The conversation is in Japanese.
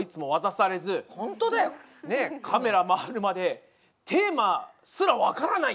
カメラ回るまでテーマすらわからないっていうね。